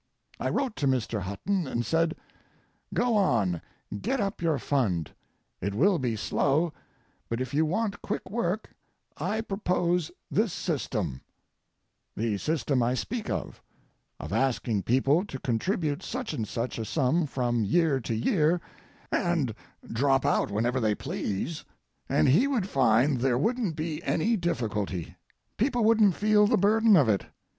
I wrote to Mr. Hutton and said: "Go on, get up your fund. It will be slow, but if you want quick work, I propose this system," the system I speak of, of asking people to contribute such and such a sum from year to year and drop out whenever they please, and he would find there wouldn't be any difficulty, people wouldn't feel the burden of it.